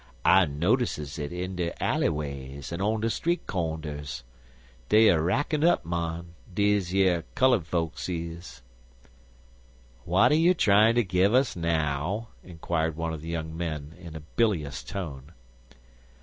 "I notisses it in de alley ways an on de street cornders. Dey er rackin' up, mon, deze yer cullud fokes is." "What are you trying to give us now?" inquired one of the young men, in a bilious tone.